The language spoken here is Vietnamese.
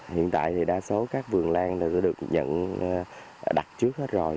hiện tại thì đa số các vườn lan đã được nhận đặt trước hết rồi